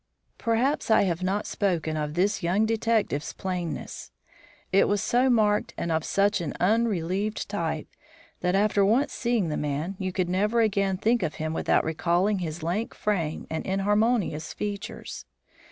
Perhaps I have not spoken of this young detective's plainness. It was so marked and of such an unrelieved type that, after once seeing the man, you could never again think of him without recalling his lank frame and inharmonious features.